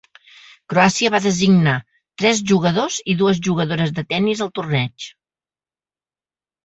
Croàcia va designar tres jugadors i dues jugadores de tennis al torneig.